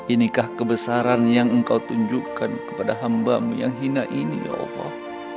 inikah kebesaran yang engkau tunjukkan kepada hambamu yang hina ini ya allah